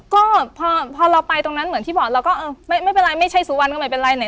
ก็พอเราไปตรงนั้นเหมือนที่บอกไม่เป็นไรไม่ใช่สุวรรค์ก็ไม่เป็นไร